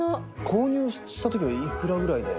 「購入した時はいくらぐらいで？」